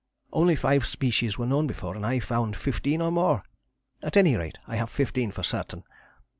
Only five species were known before, and I found fifteen or more at any rate I have fifteen for certain.